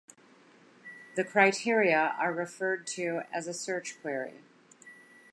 The criteria are referred to as a search query.